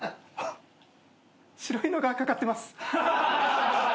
白いのが掛かってます。